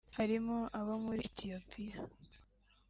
harimo abo muri Ethiopia